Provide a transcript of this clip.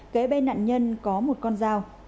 kế bên nạn nhân có một con dao